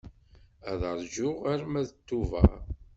Ad rǧuɣ arma d Tuber.